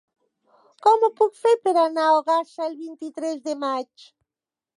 Com ho puc fer per anar a Ogassa el vint-i-tres de maig?